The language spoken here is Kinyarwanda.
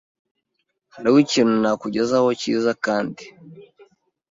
Hariho ikintu nakugezaho cyiza kandi?